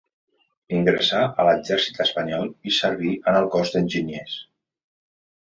Ingressà en l'exèrcit espanyol i serví en el cos d'enginyers.